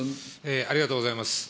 ありがとうございます。